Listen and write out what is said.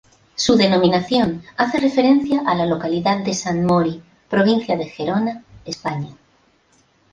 Su denominación hace referencia a la localidad de San Mori, provincia de Gerona, España.